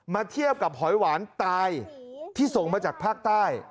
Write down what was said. เทียบกับหอยหวานตายที่ส่งมาจากภาคใต้